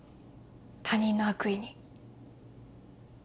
他人の悪意に。